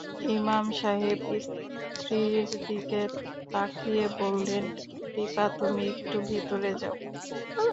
ইমাম সাহেব স্ত্রীর দিকে তাকিয়ে বললেন- দিপা, তুমি একটু ভিতরে যাও।